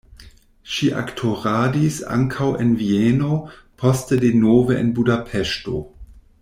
Ŝi aktoradis ankaŭ en Vieno, poste denove en Budapeŝto.